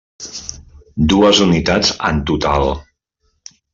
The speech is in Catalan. Dues unitats en total.